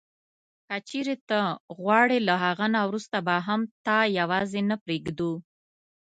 که چیري ته غواړې له هغه نه وروسته به هم تا یوازي نه پرېږدو.